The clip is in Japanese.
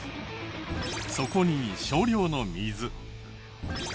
そこに少量の水。